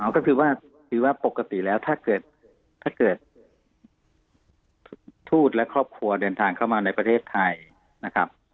ก็คือว่าคือว่าปกติแล้วถ้าเกิดทูตและครอบครัวเดินทางเข้ามาในประเทศไทยนะครับ